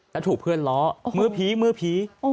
แล้วถูกเพื่อนล้อมือผีมือผี